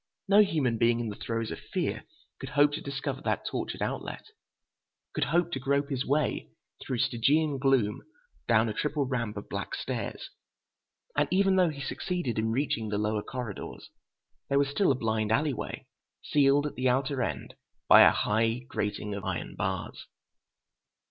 No human being in the throes of fear could hope to discover that tortured outlet, could hope to grope his way through Stygian gloom down a triple ramp of black stairs. And even though he succeeded in reaching the lower corridors, there was still a blind alley way, sealed at the outer end by a high grating of iron bars....